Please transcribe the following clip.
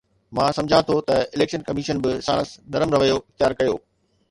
مان سمجهان ٿو ته اليڪشن ڪميشن به ساڻس نرم رويو اختيار ڪيو.